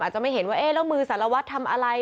จะไม่เห็นว่าเอ๊ะแล้วมือสารวัตรทำอะไร